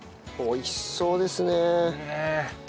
美味しそうですね。